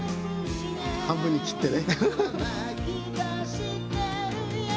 半分に切ってね。